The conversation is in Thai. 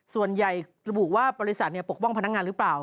ส่วนใหญ่ระบุว่าบริษัทปกป้องพนักงานหรือเปล่า